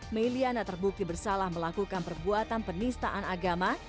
may liana terbukti bersalah melakukan perbuatan penistaan agama